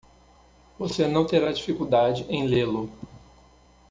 Você não terá dificuldade em lê-lo.